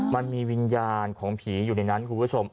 มันมีวิญญาณของผีอยู่ในนั้นคุณผู้ชม